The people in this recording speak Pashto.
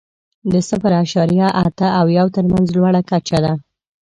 د صفر اعشاریه اته او یو تر مینځ لوړه کچه ده.